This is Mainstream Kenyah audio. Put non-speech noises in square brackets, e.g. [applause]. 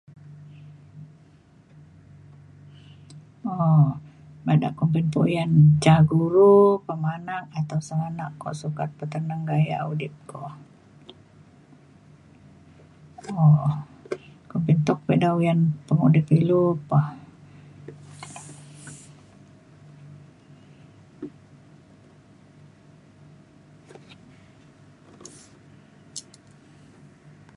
um bada kumbin puyan ca guru pemanak atau sengganak ko sukat peteneng gayak udip ko. um kumbin tuk pa da uyan pengudip ilu pa. [noise]